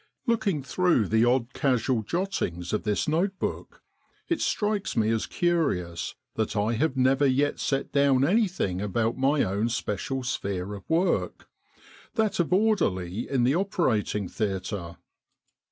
Looking through the odd casual jottings of this notebook, it strikes me as curious that I have never yet set down anything about my own special sphere of work that of orderly in the Operating Theatre.